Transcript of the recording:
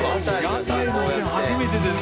屋台のおでん初めてです。